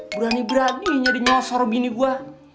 berani beraninya dinyosor bini gua